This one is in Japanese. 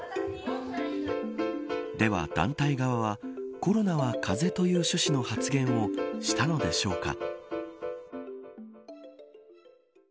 では、団体側はコロナは風邪という趣旨の発言をしたのでしょうか。